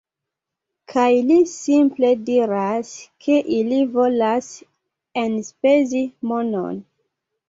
- Kaj li simple diras, ke ili volas enspezi monon